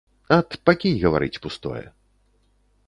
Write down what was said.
Ат, пакінь гаварыць пустое.